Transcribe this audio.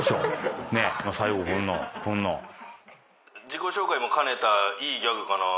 自己紹介も兼ねたいいギャグかなと。